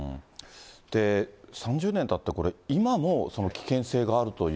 ３０年たって、これ、今も危険性があるという？